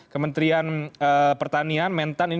kaya suka banget sih